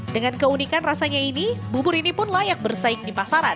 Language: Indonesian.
dengan keunikan rasanya ini bubur ini pun layak bersaing di pasaran